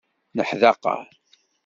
Neḥdaqer.